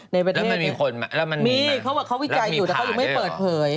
แล้วมันมีคนมั้ยมีเขาวิจัยอยู่แต่เขายังไม่เปิดเผย